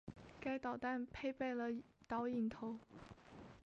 该导弹配备了导引头。